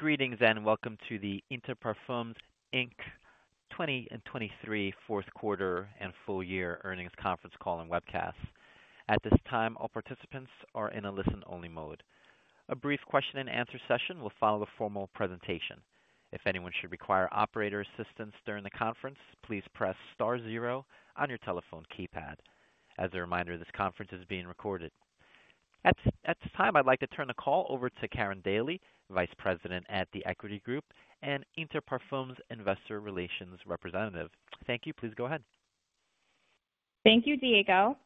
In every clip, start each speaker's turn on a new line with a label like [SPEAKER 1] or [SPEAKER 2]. [SPEAKER 1] Greetings, and welcome to the Inter Parfums, Inc. 2023 fourth quarter and full year earnings conference call and webcast. At this time, all participants are in a listen-only mode. A brief question-and-answer session will follow the formal presentation. If anyone should require operator assistance during the conference, please press star zero on your telephone keypad. As a reminder, this conference is being recorded. At this time, I'd like to turn the call over to Karin Daly, Vice President at The Equity Group and Inter Parfums Investor Relations representative. Thank you. Please go ahead.
[SPEAKER 2] Thank you, Diego.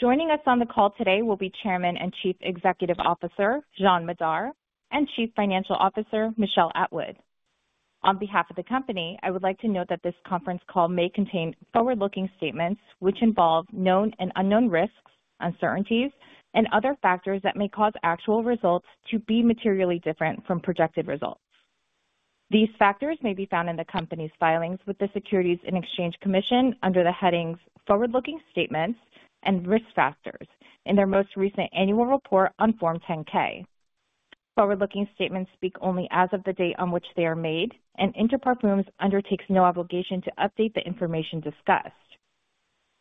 [SPEAKER 2] Joining us on the call today will be Chairman and Chief Executive Officer, Jean Madar, and Chief Financial Officer, Michel Atwood. On behalf of the company, I would like to note that this conference call may contain forward-looking statements, which involve known and unknown risks, uncertainties, and other factors that may cause actual results to be materially different from projected results. These factors may be found in the company's filings with the Securities and Exchange Commission under the headings "Forward-Looking Statements" and "Risk Factors" in their most recent annual report on Form 10-K. Forward-looking statements speak only as of the date on which they are made, and Inter Parfums undertakes no obligation to update the information discussed.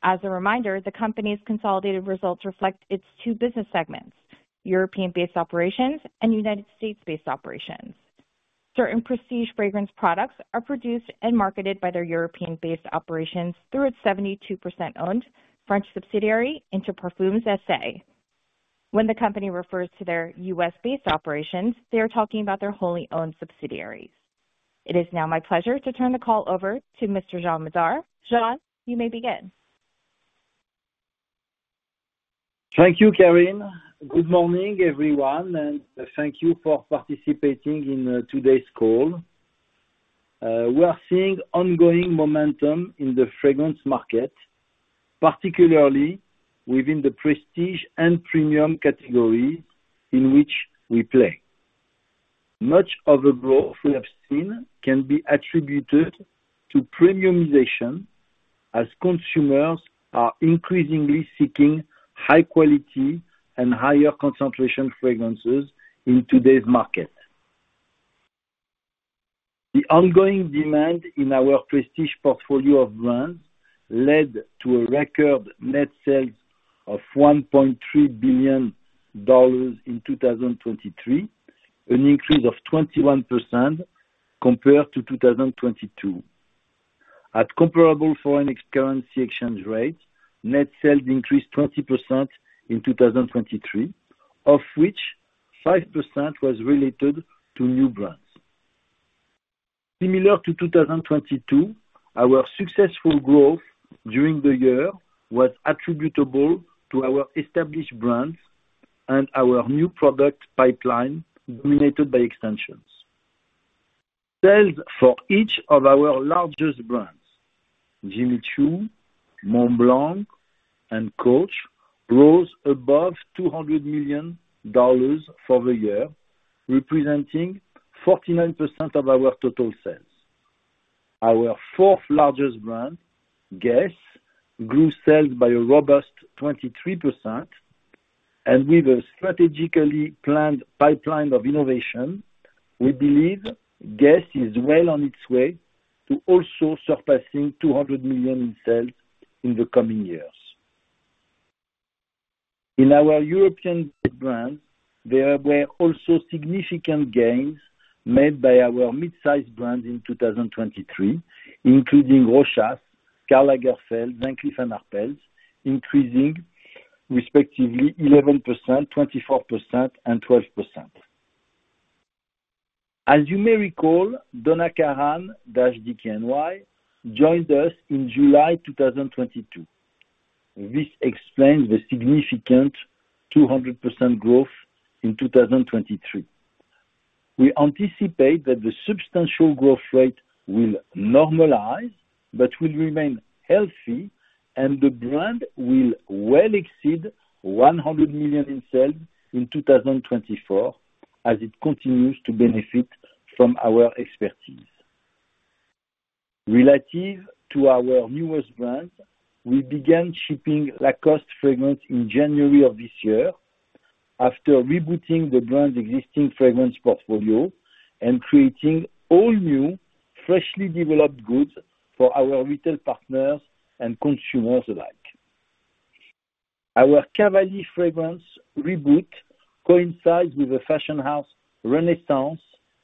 [SPEAKER 2] As a reminder, the company's consolidated results reflect its two business segments, European-based operations and United States-based operations. Certain prestige fragrance products are produced and marketed by their European-based operations through its 72% owned French subsidiary, Interparfums SA. When the company refers to their U.S.-based operations, they are talking about their wholly owned subsidiaries. It is now my pleasure to turn the call over to Mr. Jean Madar. Jean, you may begin.
[SPEAKER 3] Thank you, Karin. Good morning, everyone, and thank you for participating in today's call. We are seeing ongoing momentum in the fragrance market, particularly within the prestige and premium category in which we play. Much of the growth we have seen can be attributed to premiumization, as consumers are increasingly seeking high quality and higher concentration fragrances in today's market. The ongoing demand in our prestige portfolio of brands led to a record net sales of $1.3 billion in 2023, an increase of 21% compared to 2022. At comparable foreign currency exchange rates, net sales increased 20% in 2023, of which 5% was related to new brands. Similar to 2022, our successful growth during the year was attributable to our established brands and our new product pipeline, dominated by extensions. Sales for each of our largest brands, Jimmy Choo, Montblanc, and Coach, rose above $200 million for the year, representing 49% of our total sales. Our fourth largest brand, Guess, grew sales by a robust 23%, and with a strategically planned pipeline of innovation, we believe Guess is well on its way to also surpassing $200 million in sales in the coming years. In our European brands, there were also significant gains made by our mid-sized brands in 2023, including Rochas, Karl Lagerfeld, Van Cleef & Arpels, increasing respectively 11%, 24%, and 12%. As you may recall, Donna Karan-DKNY joined us in July 2022. This explains the significant 200% growth in 2023. We anticipate that the substantial growth rate will normalize, but will remain healthy, and the brand will well exceed $100 million in sales in 2024, as it continues to benefit from our expertise. Relative to our newest brands, we began shipping Lacoste fragrance in January of this year after rebooting the brand's existing fragrance portfolio and creating all new, freshly developed goods for our retail partners and consumers alike. Our Cavalli fragrance reboot coincides with the Fashion House Renaissance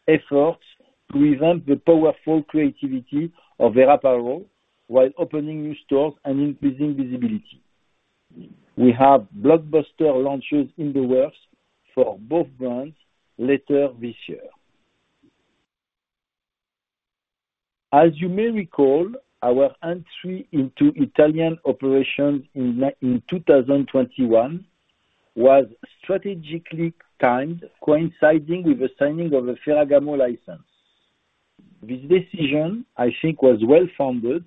[SPEAKER 3] efforts to present the powerful creativity of their apparel while opening new stores and increasing visibility. We have blockbuster launches in the works for both brands later this year. As you may recall, our entry into Italian operations in 2021 was strategically timed, coinciding with the signing of a Ferragamo license. This decision, I think, was well-founded,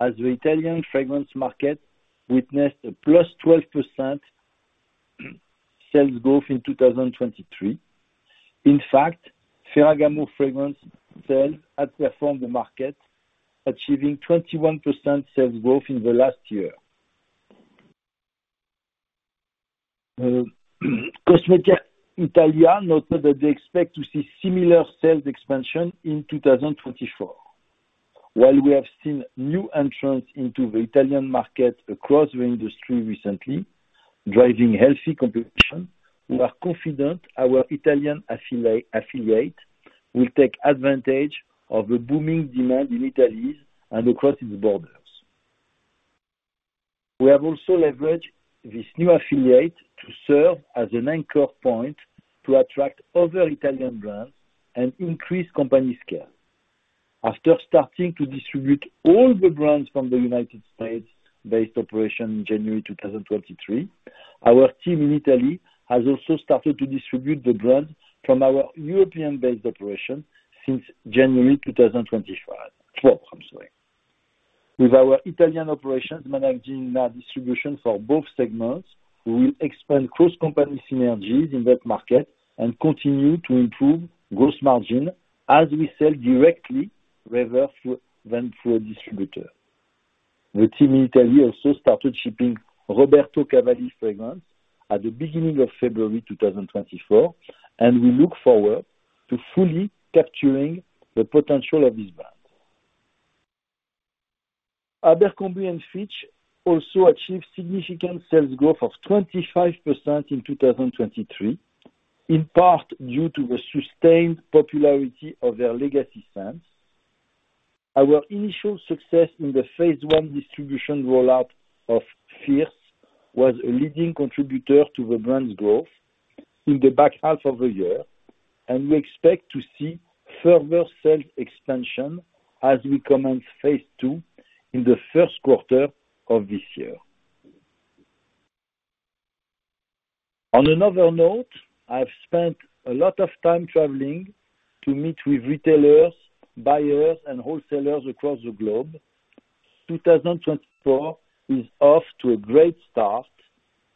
[SPEAKER 3] as the Italian fragrance market witnessed a +12% sales growth in 2023. In fact, Ferragamo fragrance sales outperformed the market, achieving 21% sales growth in the last year... Cosmetica Italia noted that they expect to see similar sales expansion in 2024. While we have seen new entrants into the Italian market across the industry recently, driving healthy competition, we are confident our Italian affiliate will take advantage of the booming demand in Italy and across its borders. We have also leveraged this new affiliate to serve as an anchor point to attract other Italian brands and increase company scale. After starting to distribute all the brands from the United States-based operation in January 2023, our team in Italy has also started to distribute the brands from our European-based operation since January 2024. With our Italian operations managing our distribution for both segments, we will expand cross-company synergies in that market and continue to improve gross margin as we sell directly rather than through a distributor. The team in Italy also started shipping Roberto Cavalli fragrance at the beginning of February 2024, and we look forward to fully capturing the potential of this brand. Abercrombie & Fitch also achieved significant sales growth of 25% in 2023, in part due to the sustained popularity of their legacy brands. Our initial success in the phase one distribution rollout of Fierce was a leading contributor to the brand's growth in the back half of the year, and we expect to see further sales expansion as we commence phase two in the first quarter of this year. On another note, I've spent a lot of time traveling to meet with retailers, buyers, and wholesalers across the globe. 2024 is off to a great start.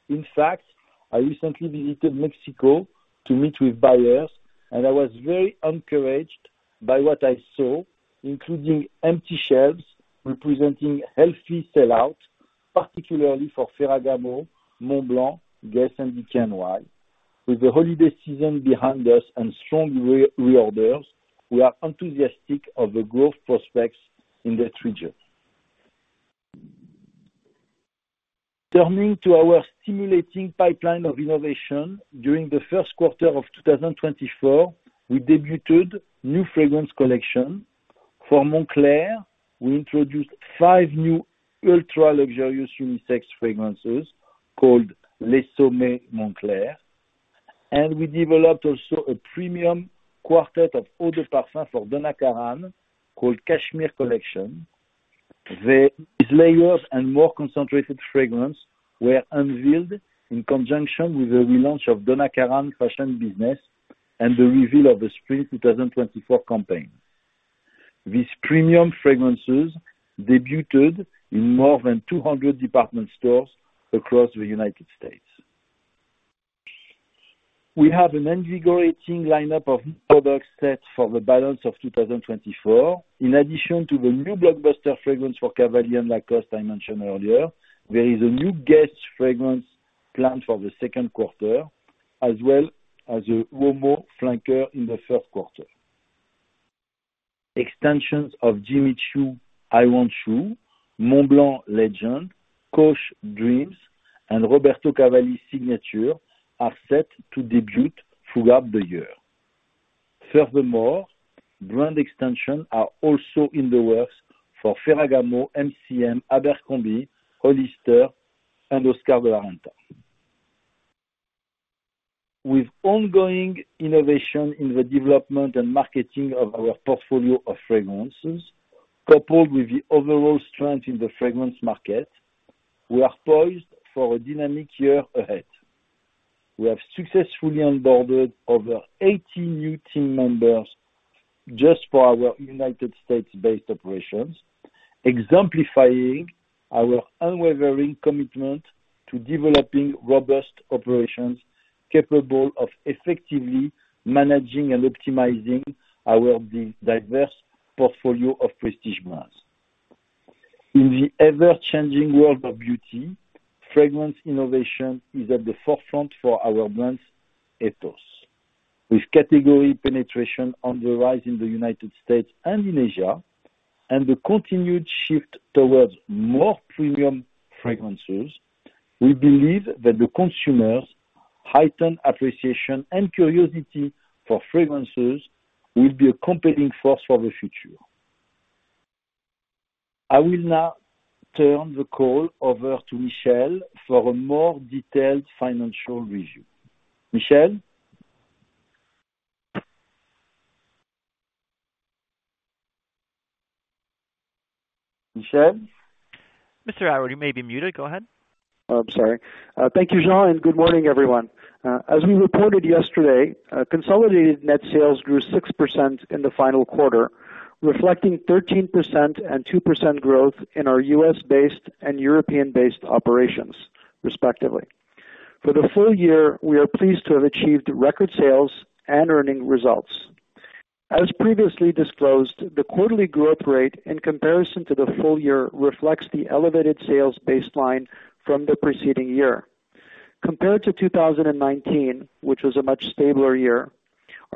[SPEAKER 3] In fact, I recently visited Mexico to meet with buyers, and I was very encouraged by what I saw, including empty shelves, representing healthy sell-out, particularly for Ferragamo, Montblanc, Guess, and DKNY. With the holiday season behind us and strong reorders, we are enthusiastic of the growth prospects in that region. Turning to our stimulating pipeline of innovation, during the first quarter of 2024, we debuted new fragrance collection. For Moncler, we introduced five new ultra-luxurious unisex fragrances called Les Sommets Moncler, and we developed also a premium quartet of eau de parfum for Donna Karan, called Cashmere Collection. The layers and more concentrated fragrance were unveiled in conjunction with the relaunch of Donna Karan fashion business and the reveal of the Spring 2024 campaign. These premium fragrances debuted in more than 200 department stores across the United States. We have an invigorating lineup of product sets for the balance of 2024. In addition to the new blockbuster fragrance for Cavalli and Lacoste I mentioned earlier, there is a new Guess fragrance planned for the second quarter, as well as a Rochas flanker in the third quarter. Extensions of Jimmy Choo, I Want Choo, Montblanc Legend, Coach Dreams, and Roberto Cavalli Signature are set to debut throughout the year. Furthermore, brand extensions are also in the works for Ferragamo, MCM, Abercrombie, Hollister, and Oscar de la Renta. With ongoing innovation in the development and marketing of our portfolio of fragrances, coupled with the overall strength in the fragrance market, we are poised for a dynamic year ahead. We have successfully onboarded over 80 new team members just for our United States-based operations, exemplifying our unwavering commitment to developing robust operations capable of effectively managing and optimizing our diverse portfolio of prestige brands. In the ever-changing world of beauty, fragrance innovation is at the forefront for our brand's ethos. With category penetration on the rise in the United States and in Asia, and the continued shift towards more premium fragrances, we believe that the consumers' heightened appreciation and curiosity for fragrances will be a competing force for the future. I will now turn the call over to Michel for a more detailed financial review. Michel? Michel?
[SPEAKER 1] Mr. Atwood, you may be muted. Go ahead.
[SPEAKER 4] Oh, I'm sorry. Thank you, Jean, and good morning, everyone. As we reported yesterday, consolidated net sales grew 6% in the final quarter, reflecting 13% and 2% growth in our U.S.-based and European-based operations, respectively. For the full year, we are pleased to have achieved record sales and earning results. ...As previously disclosed, the quarterly growth rate in comparison to the full year, reflects the elevated sales baseline from the preceding year. Compared to 2019, which was a much stabler year,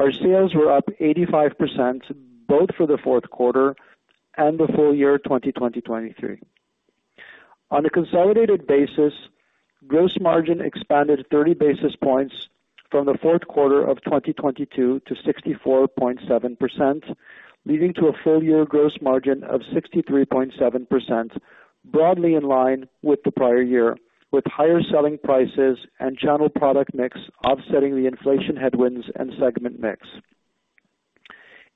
[SPEAKER 4] our sales were up 85%, both for the fourth quarter and the full year, 2023. On a consolidated basis, gross margin expanded 30 basis points from the fourth quarter of 2022 to 64.7%, leading to a full year gross margin of 63.7%, broadly in line with the prior year, with higher selling prices and channel product mix offsetting the inflation headwinds and segment mix.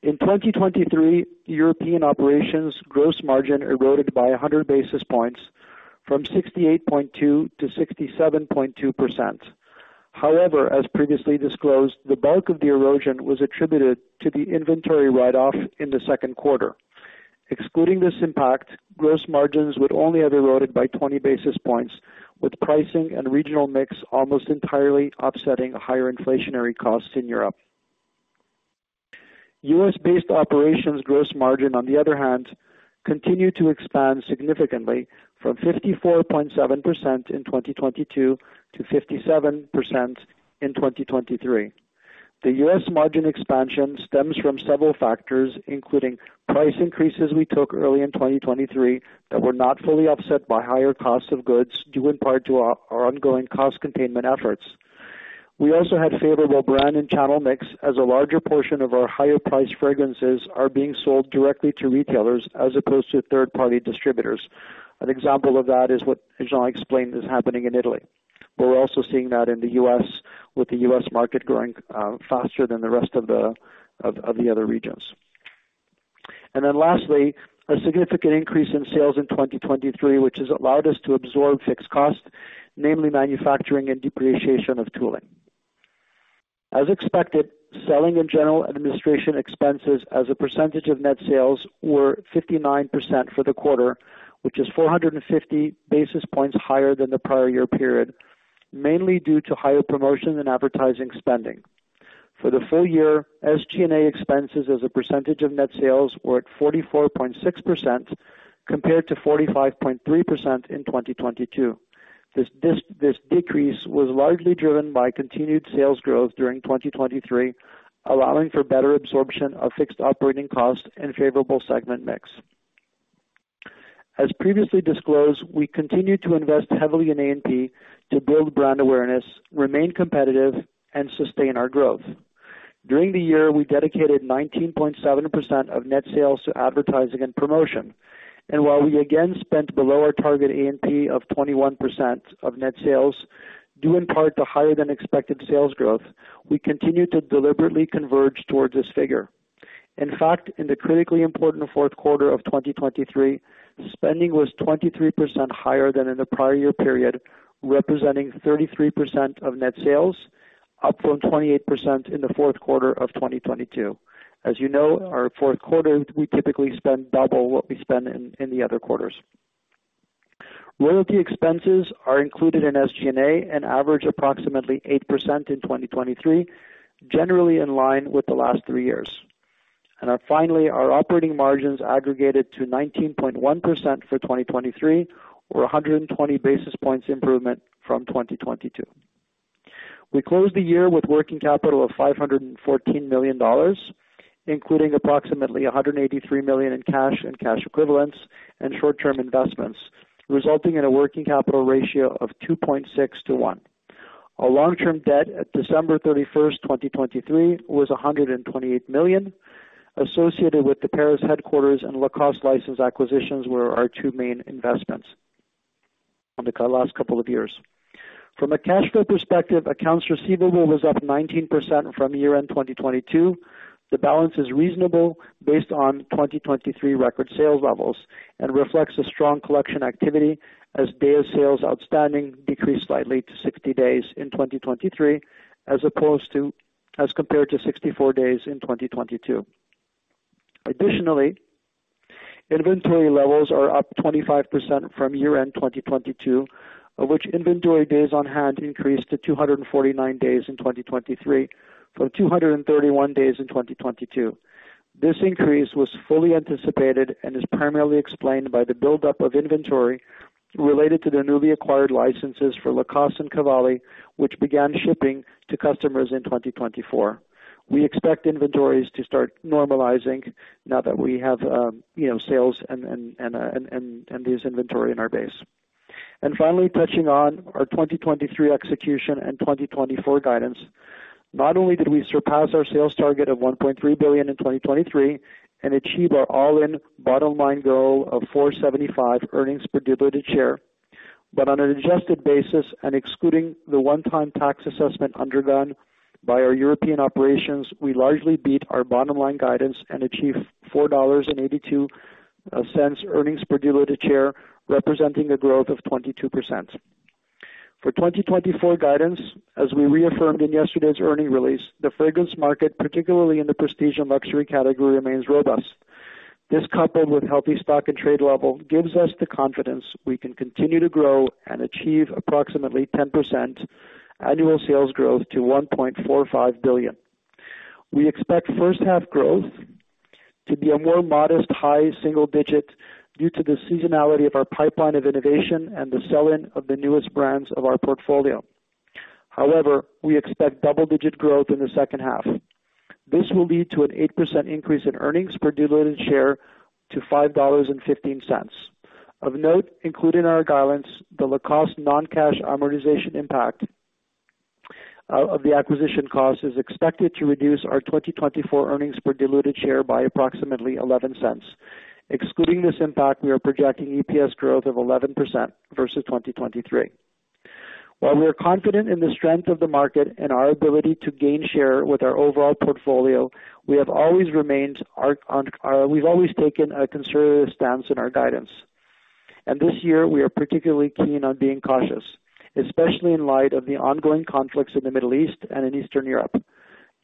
[SPEAKER 4] In 2023, European operations gross margin eroded by 100 basis points from 68.2 to 67.2%. However, as previously disclosed, the bulk of the erosion was attributed to the inventory write-off in the second quarter. Excluding this impact, gross margins would only have eroded by 20 basis points, with pricing and regional mix almost entirely offsetting higher inflationary costs in Europe. US-based operations gross margin, on the other hand, continued to expand significantly from 54.7% in 2022 to 57% in 2023. The US margin expansion stems from several factors, including price increases we took early in 2023 that were not fully offset by higher costs of goods, due in part to our ongoing cost containment efforts. We also had favorable brand and channel mix, as a larger portion of our higher priced fragrances are being sold directly to retailers as opposed to third-party distributors. An example of that is what Jean explained is happening in Italy. But we're also seeing that in the US, with the US market growing faster than the rest of the other regions. And then lastly, a significant increase in sales in 2023, which has allowed us to absorb fixed costs, namely manufacturing and depreciation of tooling. As expected, selling and general administration expenses as a percentage of net sales were 59% for the quarter, which is 450 basis points higher than the prior year period, mainly due to higher promotion and advertising spending. For the full year, SG&A expenses as a percentage of net sales were at 44.6%, compared to 45.3% in 2022. This decrease was largely driven by continued sales growth during 2023, allowing for better absorption of fixed operating costs and favorable segment mix. As previously disclosed, we continued to invest heavily in A&P to build brand awareness, remain competitive and sustain our growth. During the year, we dedicated 19.7% of net sales to advertising and promotion, and while we again spent below our target A&P of 21% of net sales, due in part to higher than expected sales growth, we continued to deliberately converge towards this figure. In fact, in the critically important fourth quarter of 2023, spending was 23% higher than in the prior year period, representing 33% of net sales, up from 28% in the fourth quarter of 2022. As you know, our fourth quarter, we typically spend double what we spend in the other quarters. Royalty expenses are included in SG&A and average approximately 8% in 2023, generally in line with the last three years. Finally, our operating margins aggregated to 19.1% for 2023, or 120 basis points improvement from 2022. We closed the year with working capital of $514 million, including approximately $183 million in cash and cash equivalents and short-term investments, resulting in a working capital ratio of 2.6 to 1. Our long-term debt at December 31, 2023, was $128 million, associated with the Paris headquarters and Lacoste license acquisitions were our two main investments on the last couple of years. From a cash flow perspective, accounts receivable was up 19% from year-end 2022. The balance is reasonable based on 2023 record sales levels and reflects a strong collection activity as Days Sales Outstanding decreased slightly to 60 days in 2023, as compared to 64 days in 2022. Additionally, inventory levels are up 25% from year-end 2022, of which Inventory Days on Hand increased to 249 days in 2023, from 231 days in 2022. This increase was fully anticipated and is primarily explained by the buildup of inventory related to the newly acquired licenses for Lacoste and Cavalli, which began shipping to customers in 2024. We expect inventories to start normalizing now that we have, you know, sales and these inventory in our base. Finally, touching on our 2023 execution and 2024 guidance, not only did we surpass our sales target of $1.3 billion in 2023 and achieve our all-in bottom line goal of $4.75 earnings per diluted share, but on an adjusted basis and excluding the one-time tax assessment undergone by our European operations, we largely beat our bottom line guidance and achieved $4.82 earnings per diluted share, representing a growth of 22%. For 2024 guidance, as we reaffirmed in yesterday's earnings release, the fragrance market, particularly in the prestige and luxury category, remains robust.... This coupled with healthy stock-in-trade level, gives us the confidence we can continue to grow and achieve approximately 10% annual sales growth to $1.45 billion. We expect first half growth to be a more modest, high single digit due to the seasonality of our pipeline of innovation and the sell-in of the newest brands of our portfolio. However, we expect double-digit growth in the second half. This will lead to an 8% increase in earnings per diluted share to $5.15. Of note, including our guidance, the Lacoste non-cash amortization impact of the acquisition cost is expected to reduce our 2024 earnings per diluted share by approximately 11 cents. Excluding this impact, we are projecting EPS growth of 11% versus 2023. While we are confident in the strength of the market and our ability to gain share with our overall portfolio, we have always taken a conservative stance in our guidance. And this year, we are particularly keen on being cautious, especially in light of the ongoing conflicts in the Middle East and in Eastern Europe.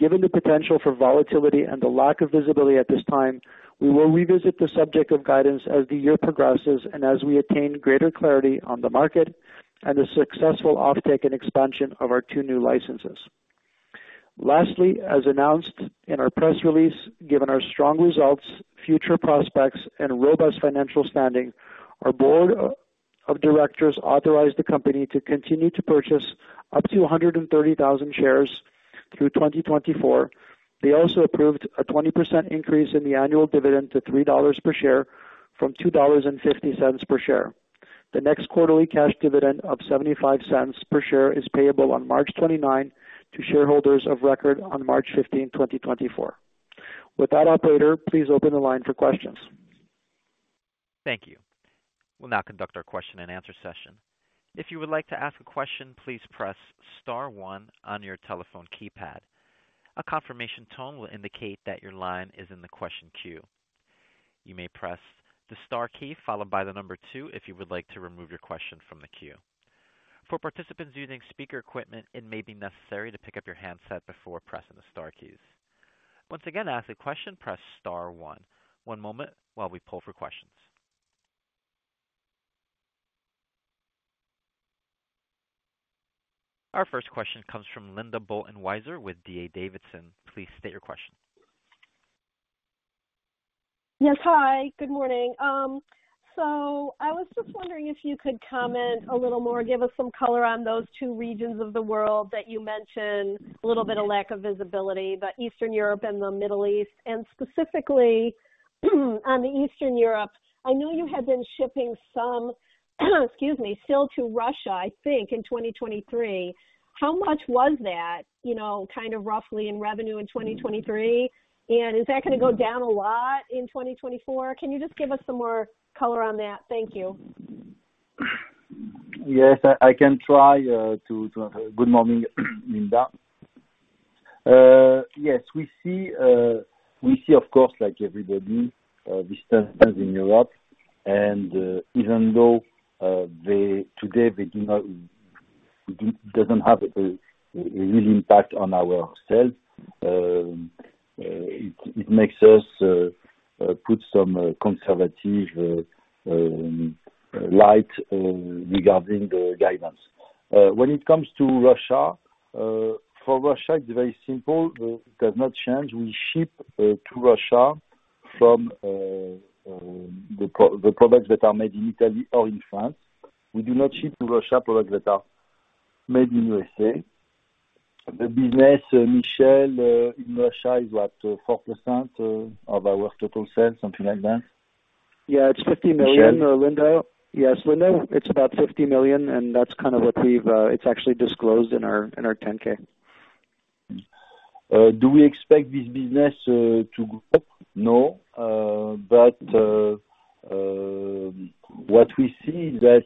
[SPEAKER 4] Given the potential for volatility and the lack of visibility at this time, we will revisit the subject of guidance as the year progresses and as we attain greater clarity on the market and the successful offtake and expansion of our two new licenses. Lastly, as announced in our press release, given our strong results, future prospects and robust financial standing, our board of directors authorized the company to continue to purchase up to 130,000 shares through 2024. They also approved a 20% increase in the annual dividend to $3 per share from $2.50 per share. The next quarterly cash dividend of $0.75 per share is payable on March 29 to shareholders of record on March 15, 2024. With that, operator, please open the line for questions.
[SPEAKER 1] Thank you. We'll now conduct our question and answer session. If you would like to ask a question, please press star one on your telephone keypad. A confirmation tone will indicate that your line is in the question queue. You may press the star key, followed by the number two, if you would like to remove your question from the queue. For participants using speaker equipment, it may be necessary to pick up your handset before pressing the star keys. Once again, to ask a question, press star one. One moment while we pull for questions. Our first question comes from Linda Bolton Weiser with D.A. Davidson. Please state your question.
[SPEAKER 5] Yes, hi, good morning. So I was just wondering if you could comment a little more, give us some color on those two regions of the world that you mentioned, a little bit of lack of visibility, but Eastern Europe and the Middle East, and specifically, on the Eastern Europe, I know you had been shipping some, excuse me, still to Russia, I think, in 2023. How much was that, you know, kind of roughly in revenue in 2023? And is that gonna go down a lot in 2024? Can you just give us some more color on that? Thank you.
[SPEAKER 3] Yes, I can try to. Good morning, Linda. Yes, we see, of course, like everybody, disturbance in Europe. And even though they, today, do not have a real impact on our sales, it makes us put some conservative light regarding the guidance. When it comes to Russia, for Russia, it's very simple. It does not change. We ship to Russia the products that are made in Italy or in France. We do not ship to Russia products that are made in USA. The business, Michel, in Russia is what? 4% of our total sales, something like that.
[SPEAKER 4] Yeah, it's $50 million, Linda. Yes, Linda, it's about $50 million, and that's kind of what we've, it's actually disclosed in our 10-K.
[SPEAKER 3] Do we expect this business to grow? No. But what we see is that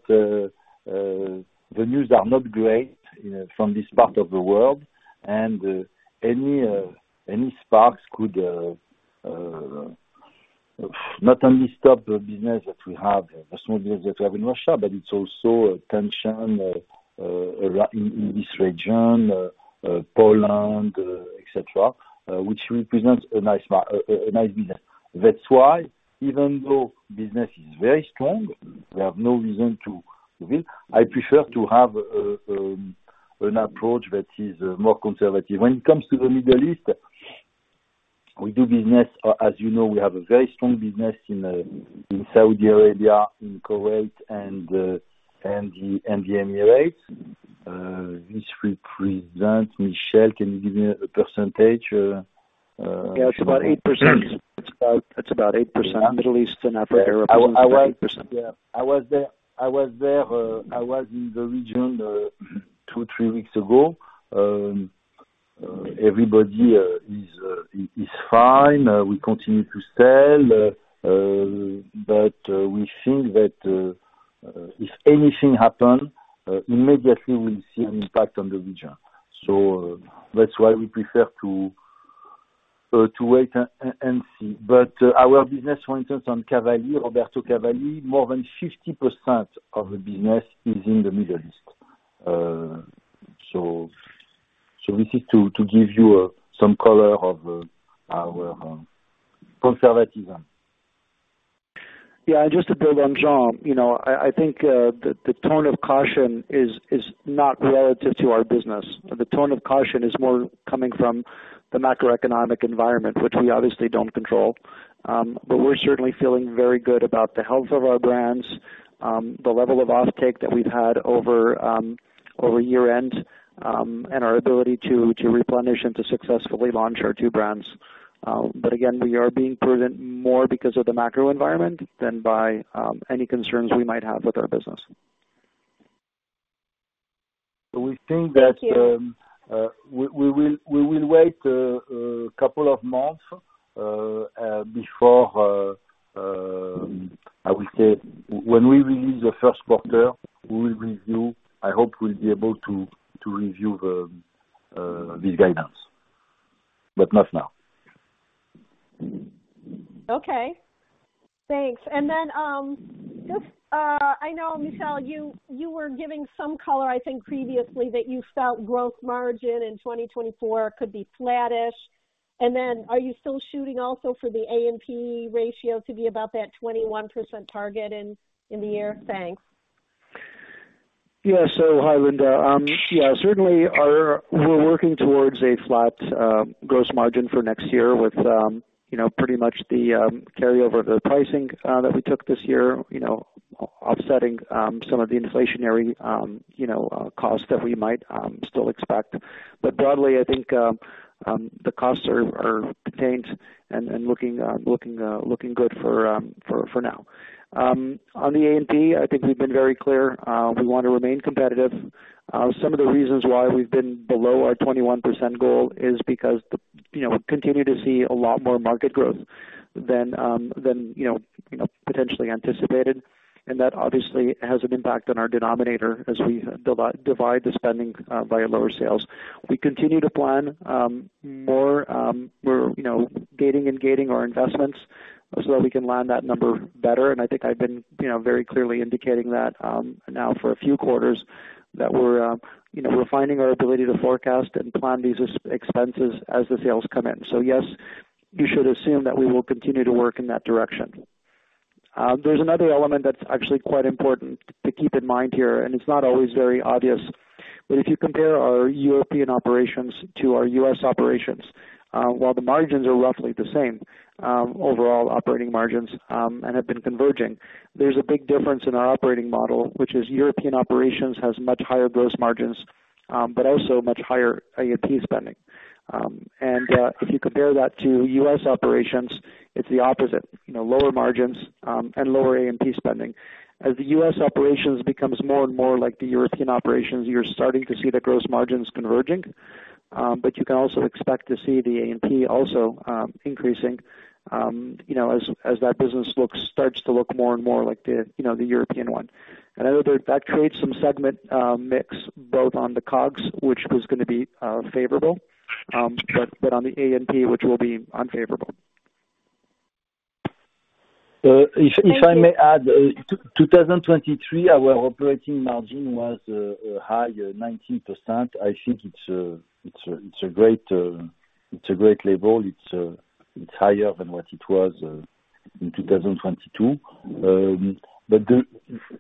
[SPEAKER 3] the news are not great from this part of the world, and any sparks could not only stop the business that we have, the small business that we have in Russia, but it's also a tension in this region, Poland, et cetera, which represents a nice business. That's why, even though business is very strong, we have no reason to leave. I prefer to have an approach that is more conservative. When it comes to the Middle East, we do business, as you know, we have a very strong business in Saudi Arabia, in Kuwait, and the Emirates. This represents, Michelle, can you give me a percentage?
[SPEAKER 4] Yeah, it's about 8%. It's about, it's about 8%. Middle East and Africa, about 8%.
[SPEAKER 3] I was, yeah, I was there, I was there. I was in the region 2-3 weeks ago. Everybody is fine. We continue to sell, but we think that if anything happen, immediately we'll see an impact on the region. So that's why we prefer to wait and see. But our business, for instance, on Cavalli, Roberto Cavalli, more than 50% of the business is in the Middle East. So this is to give you some color of our conservatism.
[SPEAKER 4] Yeah, and just to build on Jean, you know, I think the tone of caution is not relative to our business. The tone of caution is more coming from the macroeconomic environment, which we obviously don't control. But we're certainly feeling very good about the health of our brands, the level of offtake that we've had over year-end, and our ability to replenish and to successfully launch our two brands. But again, we are being prudent more because of the macro environment than by any concerns we might have with our business.
[SPEAKER 3] We think that we will wait a couple of months before I will say, when we release the first quarter, we will review. I hope we'll be able to review the guidance, but not now.
[SPEAKER 5] Okay, thanks. And then, just, I know, Michel, you were giving some color, I think previously, that you felt gross margin in 2024 could be flattish. And then are you still shooting also for the A&P ratio to be about that 21% target in the year? Thanks.
[SPEAKER 4] Yeah. So hi, Linda. Yeah, certainly we're working towards a flat gross margin for next year with, you know, pretty much the carryover of the pricing that we took this year, you know, offsetting some of the inflationary, you know, costs that we might still expect. But broadly, I think the costs are contained and looking good for now. On the A&P, I think we've been very clear. We want to remain competitive. Some of the reasons why we've been below our 21% goal is because, you know, we continue to see a lot more market growth than, you know, potentially anticipated, and that obviously has an impact on our denominator as we divide the spending by lower sales. We continue to plan more, we're, you know, gating and gating our investments so that we can land that number better. And I think I've been, you know, very clearly indicating that, now for a few quarters, that we're, you know, refining our ability to forecast and plan these expenses as the sales come in. So yes, you should assume that we will continue to work in that direction. There's another element that's actually quite important to keep in mind here, and it's not always very obvious. But if you compare our European operations to our U.S. operations, while the margins are roughly the same, overall operating margins, and have been converging, there's a big difference in our operating model, which is European operations has much higher gross margins, but also much higher A&P spending. And if you compare that to U.S. operations, it's the opposite. You know, lower margins and lower A&P spending. As the U.S. operations becomes more and more like the European operations, you're starting to see the gross margins converging, but you can also expect to see the A&P also increasing, you know, as that business starts to look more and more like the, you know, the European one. And in other words, that creates some segment mix, both on the COGS, which is gonna be favorable, but on the A&P, which will be unfavorable.
[SPEAKER 3] If I may add, 2023, our operating margin was high 19%. I think it's a great level. It's higher than what it was in 2022. But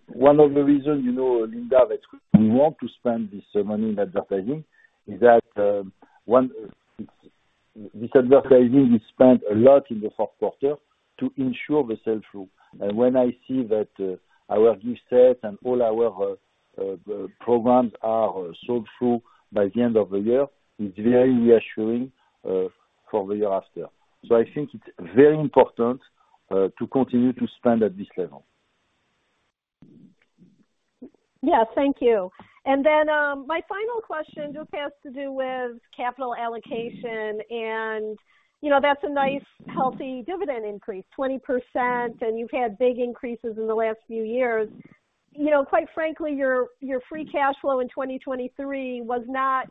[SPEAKER 3] one of the reasons, you know, Linda, that we want to spend this money in advertising, is that one, it's this advertising, we spent a lot in the fourth quarter to ensure the sell-through. And when I see that our new set and all our programs are sold through by the end of the year, it's very reassuring for the year after. So I think it's very important to continue to spend at this level.
[SPEAKER 5] Yeah. Thank you. My final question just has to do with capital allocation, and, you know, that's a nice, healthy dividend increase, 20%, and you've had big increases in the last few years. You know, quite frankly, your free cash flow in 2023 was not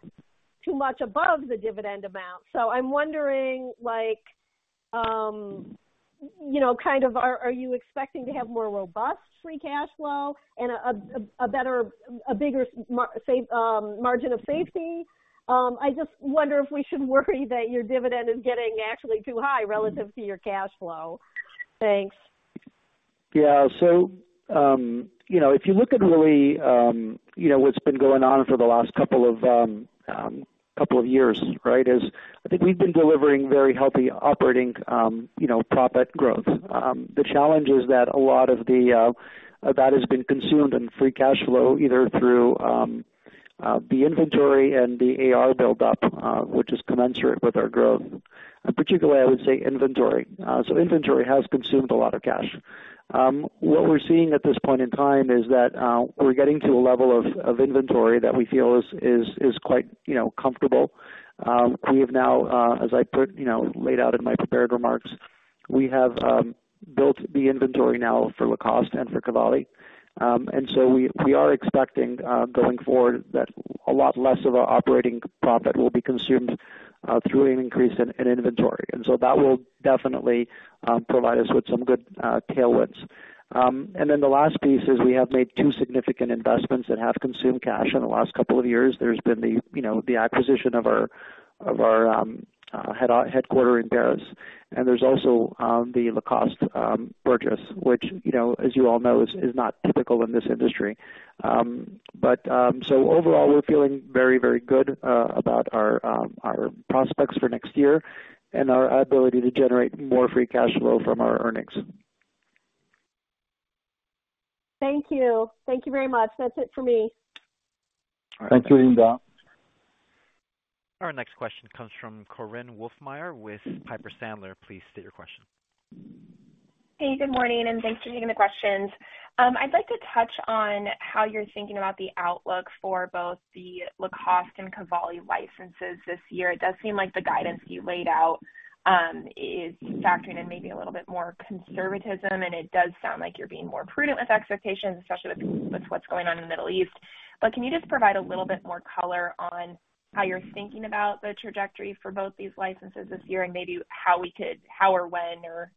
[SPEAKER 5] too much above the dividend amount. So I'm wondering, like, you know, kind of are you expecting to have more robust free cash flow and a better, bigger margin of safety? I just wonder if we should worry that your dividend is getting actually too high relative to your cash flow. Thanks.
[SPEAKER 4] Yeah. So, you know, if you look at really, you know, what's been going on for the last couple of years, right, is I think we've been delivering very healthy operating, you know, profit growth. The challenge is that a lot of the that has been consumed in free cash flow, either through the inventory and the AR buildup, which is commensurate with our growth, and particularly I would say, inventory. So inventory has consumed a lot of cash. What we're seeing at this point in time is that we're getting to a level of inventory that we feel is quite, you know, comfortable. We have now, as I put, you know, laid out in my prepared remarks, we have built the inventory now for Lacoste and for Cavalli. And so we are expecting, going forward that a lot less of our operating profit will be consumed through an increase in inventory. And so that will definitely provide us with some good tailwinds. And then the last piece is we have made two significant investments that have consumed cash in the last couple of years. There's been the, you know, the acquisition of our headquarters in Paris, and there's also the Lacoste purchase, which, you know, as you all know, is not typical in this industry. But so overall, we're feeling very, very good about our prospects for next year and our ability to generate more free cash flow from our earnings.
[SPEAKER 5] Thank you. Thank you very much. That's it for me.
[SPEAKER 3] Thank you, Linda.
[SPEAKER 1] Our next question comes from Korinne Wolfmeyer, with Piper Sandler. Please state your question.
[SPEAKER 6] Hey, good morning, and thanks for taking the questions. I'd like to touch on how you're thinking about the outlook for both the Lacoste and Cavalli licenses this year. It does seem like the guidance you laid out is factoring in maybe a little bit more conservatism, and it does sound like you're being more prudent with expectations, especially with what's going on in the Middle East. But can you just provide a little bit more color on how you're thinking about the trajectory for both these licenses this year, and maybe how or when, or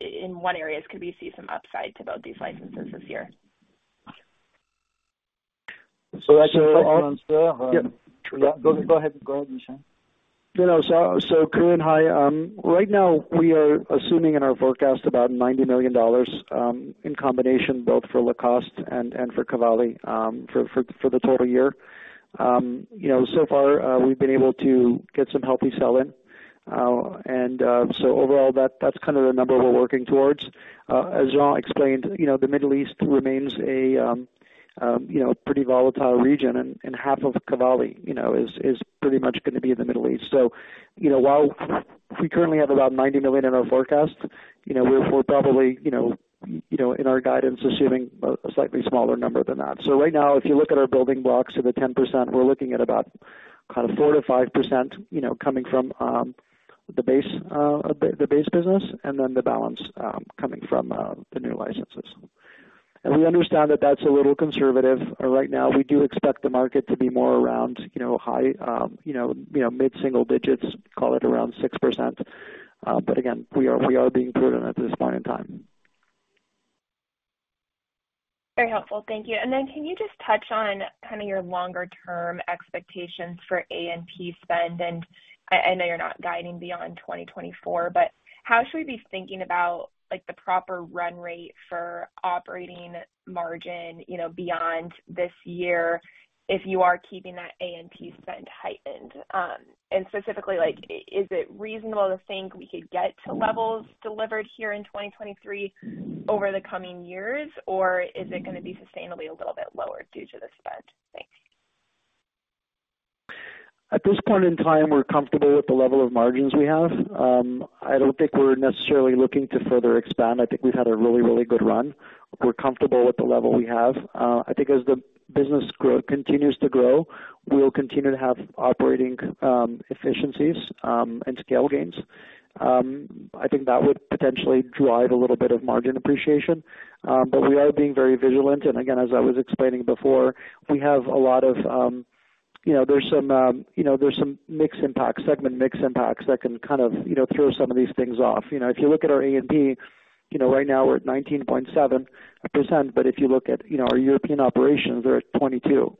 [SPEAKER 6] in what areas could we see some upsides about these licenses this year?
[SPEAKER 3] I can answer?
[SPEAKER 4] Yep.
[SPEAKER 3] Go ahead, Michel.
[SPEAKER 4] You know, Corinne, hi. Right now, we are assuming in our forecast about $90 million, in combination, both for Lacoste and for Cavalli, for the total year. You know, so far, we've been able to get some healthy sell-in. And so overall, that's kind of the number we're working towards. As Jean explained, you know, the Middle East remains a pretty volatile region, and half of Cavalli is pretty much gonna be in the Middle East. So, you know, while we currently have about $90 million in our forecast, you know, we're probably, you know, in our guidance, assuming a slightly smaller number than that. So right now, if you look at our building blocks of the 10%, we're looking at about kind of 4%-5%, you know, coming from, the base, the base business, and then the balance, coming from, the new licenses. And we understand that that's a little conservative. Right now, we do expect the market to be more around, you know, high, you know, mid-single digits, call it around 6%. But again, we are, we are being prudent at this point in time.
[SPEAKER 6] Very helpful. Thank you. And then can you just touch on kind of your longer term expectations for A&P spend? And I, I know you're not guiding beyond 2024, but how should we be thinking about, like, the proper run rate for operating margin, you know, beyond this year, if you are keeping that A&P spend heightened? And specifically, like, is it reasonable to think we could get to levels delivered here in 2023 over the coming years, or is it gonna be sustainably a little bit lower due to the spend? Thanks.
[SPEAKER 4] At this point in time, we're comfortable with the level of margins we have. I don't think we're necessarily looking to further expand. I think we've had a really, really good run. We're comfortable with the level we have. I think as the business continues to grow, we'll continue to have operating efficiencies and scale gains. I think that would potentially drive a little bit of margin appreciation. But we are being very vigilant, and again, as I was explaining before, we have a lot of, you know, there's some, you know, there's some mix impact, segment mix impacts that can kind of, you know, throw some of these things off. You know, if you look at our A&P, you know, right now we're at 19.7%, but if you look at, you know, our European operations, they're at 22%.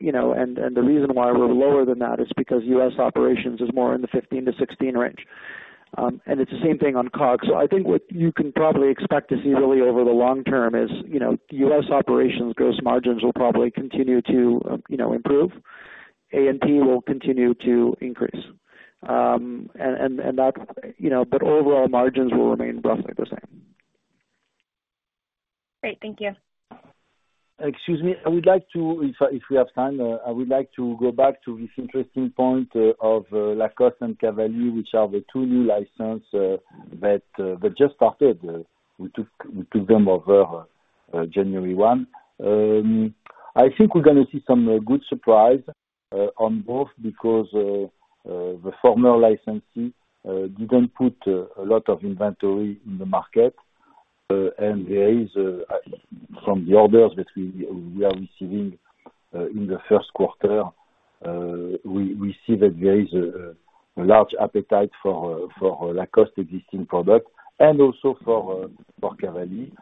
[SPEAKER 4] You know, and, and the reason why we're lower than that is because US operations is more in the 15%-16% range. And it's the same thing on COGS. So I think what you can probably expect to see really over the long term is, you know, US operations gross margins will probably continue to, you know, improve. A&P will continue to increase. And, and that, you know... But overall, margins will remain roughly the same.
[SPEAKER 6] Great. Thank you.
[SPEAKER 3] Excuse me. I would like to, if we have time, I would like to go back to this interesting point of Lacoste and Cavalli, which are the two new licenses that just started. We took them over January 1. I think we're gonna see some good surprise on both, because the former licensee didn't put a lot of inventory in the market, and there is from the orders that we are receiving in the first quarter, we see that there is a large appetite for Lacoste existing product and also for Cavalli.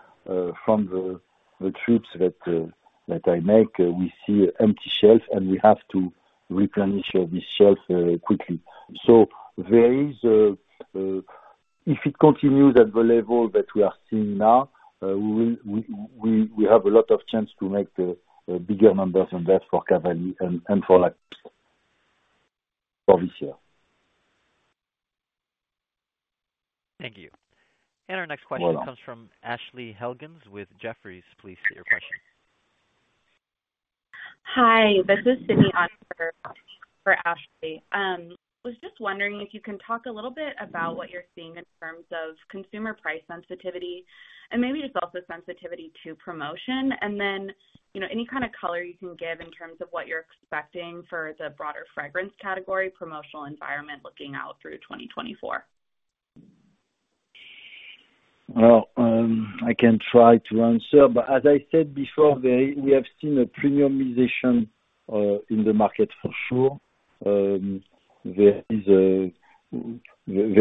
[SPEAKER 3] From the trips that I make, we see empty shelves, and we have to replenish these shelves quickly. So there is, if it continues at the level that we are seeing now, we have a lot of chance to make the bigger numbers on that for Cavalli and for Lacoste for this year.
[SPEAKER 1] Thank you. Our next question comes from Ashley Helgans with Jefferies. Please state your question.
[SPEAKER 7] Hi, this is Sydney on for Ashley. Was just wondering if you can talk a little bit about what you're seeing in terms of consumer price sensitivity and maybe just also sensitivity to promotion, and then, you know, any kind of color you can give in terms of what you're expecting for the broader fragrance category, promotional environment, looking out through 2024? ...
[SPEAKER 3] Well, I can try to answer, but as I said before, they, we have seen a premiumization in the market for sure. There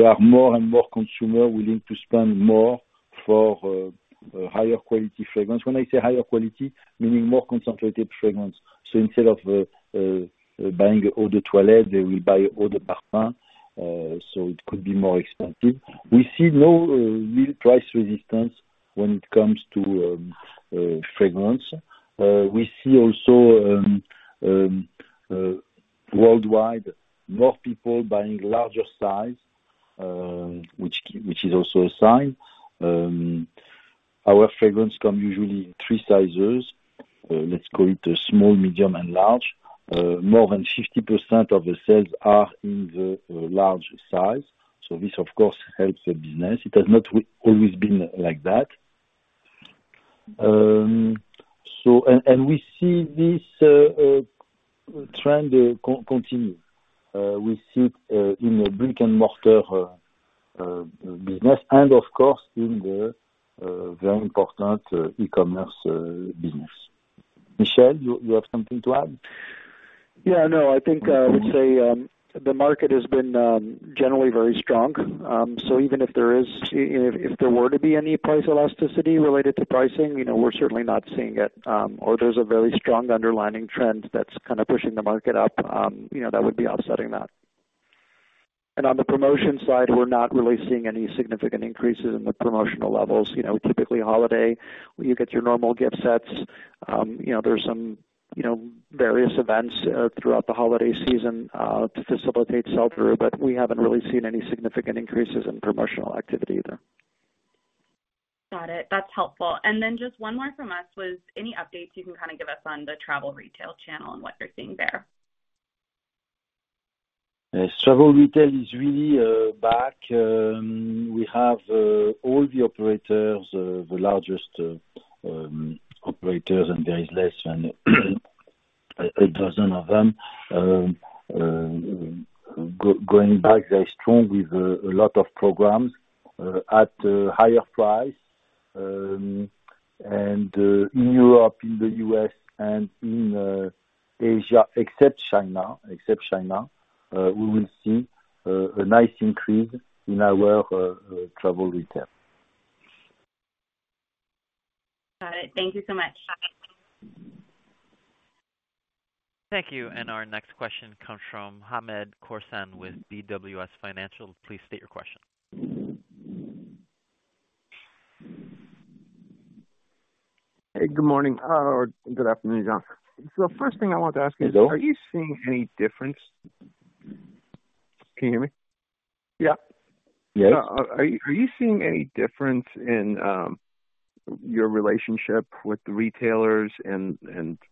[SPEAKER 3] are more and more consumers willing to spend more for higher quality fragrance. When I say higher quality, meaning more concentrated fragrance. So instead of buying eau de toilette, they will buy eau de parfum, so it could be more expensive. We see no real price resistance when it comes to fragrance. We see also worldwide, more people buying larger size, which is also a sign. Our fragrance come usually in three sizes, let's call it small, medium, and large. More than 50% of the sales are in the large size, so this, of course, helps the business. It has not always been like that. So, and we see this trend continue. We see it in a brick-and-mortar business and of course, in the very important e-commerce business. Michel, you have something to add?
[SPEAKER 4] Yeah, no, I think, I would say, the market has been, generally very strong. So even if there is, if there were to be any price elasticity related to pricing, you know, we're certainly not seeing it. Or there's a very strong underlying trend that's kind of pushing the market up, you know, that would be offsetting that. And on the promotion side, we're not really seeing any significant increases in the promotional levels. You know, typically holiday, where you get your normal gift sets, you know, there's some, you know, various events, throughout the holiday season, to facilitate sell through, but we haven't really seen any significant increases in promotional activity there.
[SPEAKER 7] Got it. That's helpful. And then just one more from us was, any updates you can kind of give us on the travel retail channel and what you're seeing there?
[SPEAKER 3] Yes. Travel retail is really back. We have all the operators, the largest operators, and there is less than a dozen of them. Going back, they're strong with a lot of programs at higher price, and in Europe, in the US, and in Asia, except China, except China, we will see a nice increase in our travel retail.
[SPEAKER 7] Got it. Thank you so much. Bye-bye.
[SPEAKER 1] Thank you, and our next question comes from Hamed Khorsand, with BWS Financial. Please state your question.
[SPEAKER 8] Hey, good morning, or good afternoon, Jean. First thing I want to ask is-
[SPEAKER 3] Hello.
[SPEAKER 8] Are you seeing any difference? Can you hear me? Yeah.
[SPEAKER 3] Yes.
[SPEAKER 8] Are you seeing any difference in your relationship with the retailers and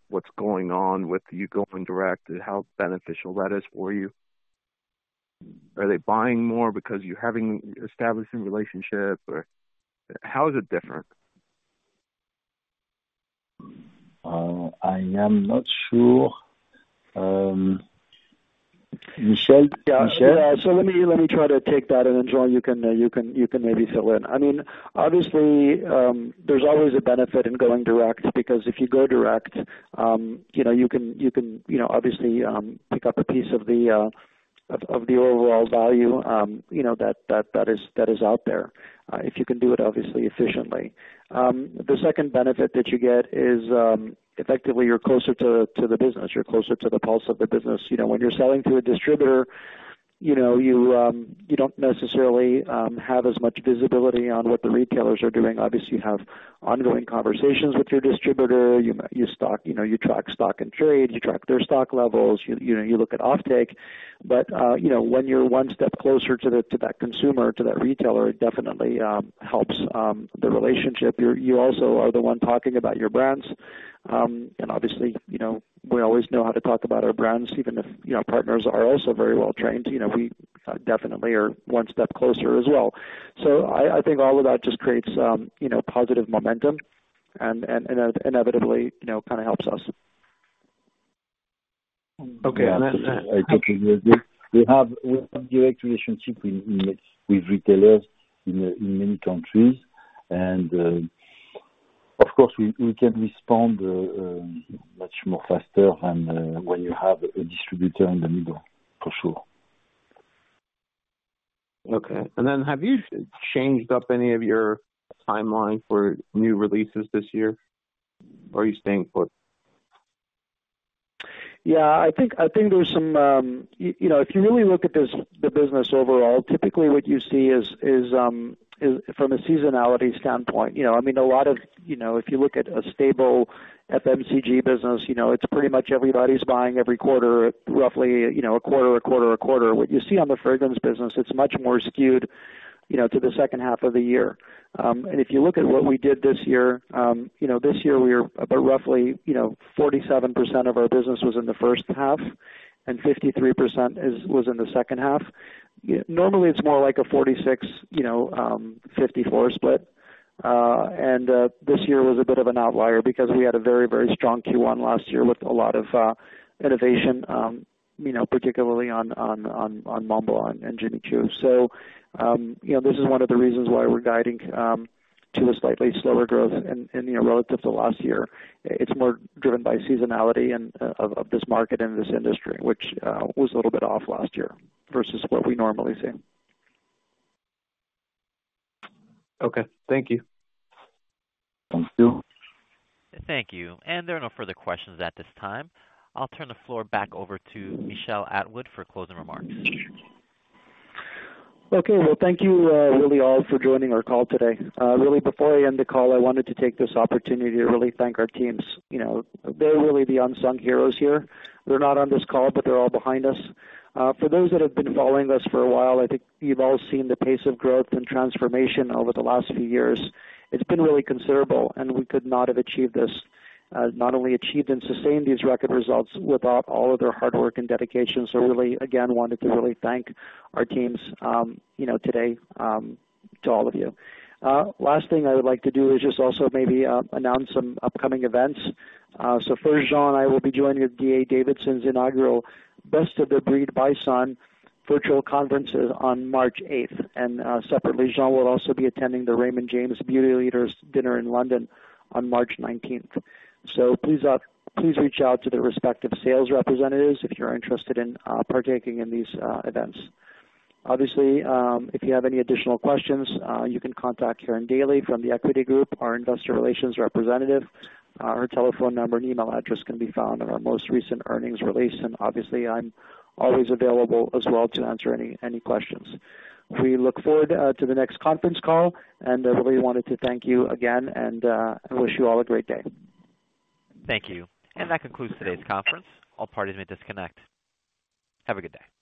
[SPEAKER 8] what's going on with you going direct? And how beneficial that is for you? Are they buying more because you're having establishing relationship, or how is it different?
[SPEAKER 3] I am not sure. Michel? Michel.
[SPEAKER 4] Yeah. So let me, let me try to take that, and then, Jean, you can, you can, you can maybe fill in. I mean, obviously, there's always a benefit in going direct, because if you go direct, you know, you can, you can, you know, obviously, pick up a piece of the, of, of the overall value, you know, that, that, that is, that is out there, if you can do it obviously efficiently. The second benefit that you get is, effectively you're closer to, to the business. You're closer to the pulse of the business. You know, when you're selling to a distributor, you know, you, you don't necessarily, have as much visibility on what the retailers are doing. Obviously, you have ongoing conversations with your distributor. You stock, you know, you track stock-in-trade, you track their stock levels, you know, you look at offtake. But you know, when you're one step closer to that consumer, to that retailer, it definitely helps the relationship. You also are the one talking about your brands. And obviously, you know, we always know how to talk about our brands, even if, you know, partners are also very well trained. You know, we definitely are one step closer as well. So I think all of that just creates, you know, positive momentum and inevitably, you know, kind of helps us.
[SPEAKER 8] Okay.
[SPEAKER 3] We have a direct relationship with retailers in many countries. Of course, we can respond much more faster than when you have a distributor in the middle, for sure.
[SPEAKER 8] Okay. And then, have you changed up any of your timeline for new releases this year, or are you staying put?
[SPEAKER 4] Yeah, I think, I think there was some, you know, if you really look at this, the business overall, typically what you see is from a seasonality standpoint, you know, I mean, a lot of, you know, if you look at a stable FMCG business, you know, it's pretty much everybody's buying every quarter, roughly, you know, a quarter, a quarter, a quarter. What you see on the fragrance business, it's much more skewed, you know, to the second half of the year. And if you look at what we did this year, you know, this year we were about roughly, you know, 47% of our business was in the first half and 53% was in the second half. Normally, it's more like a 46-54 split. You know, this year was a bit of an outlier because we had a very, very strong Q1 last year with a lot of innovation, you know, particularly on Montblanc and Jimmy Choo. So, you know, this is one of the reasons why we're guiding to a slightly slower growth and, you know, relative to last year, it's more driven by seasonality and of this market and this industry, which was a little bit off last year versus what we normally see.
[SPEAKER 7] Okay, thank you.
[SPEAKER 4] Thanks, Stu.
[SPEAKER 1] Thank you. There are no further questions at this time. I'll turn the floor back over to Michel Atwood for closing remarks.
[SPEAKER 4] Okay. Well, thank you, really all for joining our call today. Really, before I end the call, I wanted to take this opportunity to really thank our teams. You know, they're really the unsung heroes here. They're not on this call, but they're all behind us. For those that have been following us for a while, I think you've all seen the pace of growth and transformation over the last few years. It's been really considerable, and we could not have achieved this, not only achieved and sustained these record results without all of their hard work and dedication. So really, again, wanted to really thank our teams, you know, today, to all of you. Last thing I would like to do is just also maybe, announce some upcoming events. So first, Jean and I will be joining the D.A. Davidson's inaugural Best-of-Breed Bison Virtual Conference on March eighth. Separately, Jean will also be attending the Raymond James Beauty Leaders Dinner in London on March nineteenth. Please, please reach out to the respective sales representatives if you're interested in partaking in these events. Obviously, if you have any additional questions, you can contact Karin Daly from The Equity Group, our investor relations representative. Her telephone number and email address can be found on our most recent earnings release, and obviously I'm always available as well to answer any questions. We look forward to the next conference call and really wanted to thank you again and wish you all a great day.
[SPEAKER 1] Thank you. That concludes today's conference. All parties may disconnect. Have a good day.